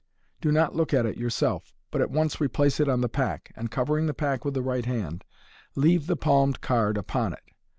Do not look at it yourself, but at once replace it on the pack, and, covering the pack with the right hand, leave the palmed card upon it.